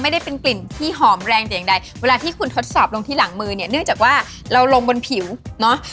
ไม่ได้เป็นกลิ่นที่หอมแรงแต่อย่างใดเวลาที่คุณทดสอบลงที่หลังมือเนี่ยเนื่องจากว่าเราลงบนผิวเนอะ